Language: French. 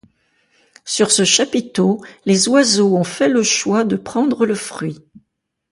Sur ce chapiteau, les oiseaux ont fait le choix de prendre le fruit.